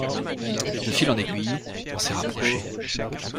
De fil en aiguille, on s’est rapprochés.